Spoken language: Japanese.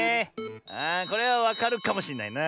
あこれはわかるかもしんないな。